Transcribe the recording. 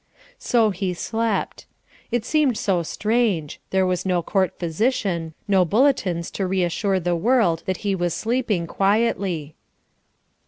So he slept. It seemed so strange. There was no court physician, no bulletins to reassure the world that he was sleeping quietly.